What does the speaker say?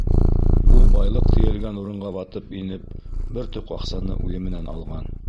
Ул байлыҡ тейәлгән урынға ватып инеп, бер тоҡ аҡсаны үҙе менән алған.